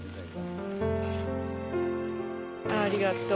ああありがとう！